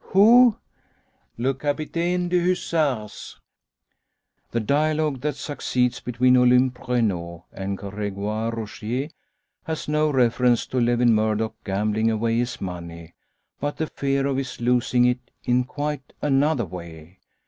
"Who?" "Le Capitaine de hussards!" The dialogue that succeeds, between Olympe Renault and Gregoire Rogier, has no reference to Lewin Murdock gambling away his money, but the fear of his losing it in quite another way.